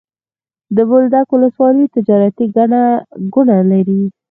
د بولدک ولسوالي تجارتي ګڼه ګوڼه لري.